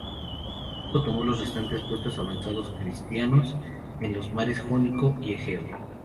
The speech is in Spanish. Luego tomó los restantes puestos avanzados cristianos en los mares Jónico y Egeo.